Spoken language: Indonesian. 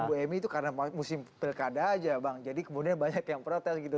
kalau kata bu emy itu karena musim pilkada aja bang jadi kemudian banyak yang protes gitu